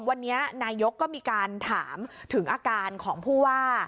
วันนี้นายกก็มีการถามถึงอาการของผู้ว่า